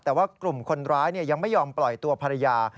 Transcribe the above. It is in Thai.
แต่ว่ากลุ่มคนร้ายยังไม่ยอมปล่อยตัวภรรยา